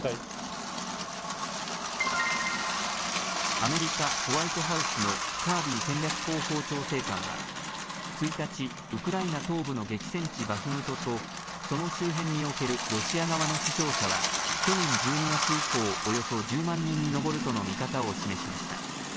アメリカ、ホワイトハウスのカービー戦略広報調整官は、１日、ウクライナ東部の激戦地、バフムトとその周辺におけるロシア側の死傷者は、去年１２月以降、およそ１０万人に上るとの見方を示しました。